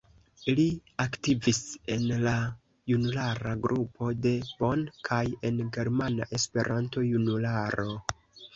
Li aktivis en la junulara grupo de Bonn kaj en Germana Esperanto-Junularo.